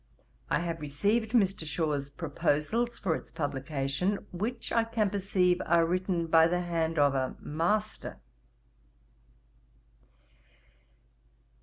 I have received Mr. Shaw's Proposals for its publication, which I can perceive are written by the hand of a MASTER.